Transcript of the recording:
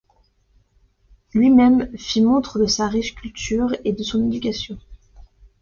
Lui-même fit montre de sa riche culture et de son éducation.